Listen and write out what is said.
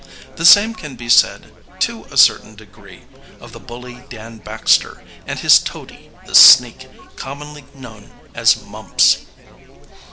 The same can be said, to a certain degree, of the bully Dan Baxter, and his toady, the sneak, commonly known as "Mumps."